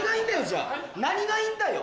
じゃあ何がいんだよ？